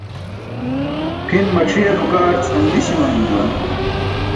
Pʰin mac̣ʰiyar nukaarc handiś imanum juwan.